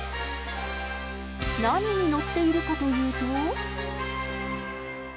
何に乗っているかというと。